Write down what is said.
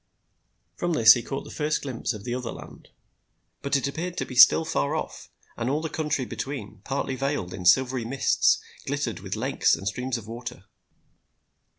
From this he caught the first glimpse of the other land. But it appeared to be still far off, and all the country between, partly veiled in silvery mists, glittered with lakes and streams of water.